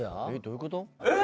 えっ！？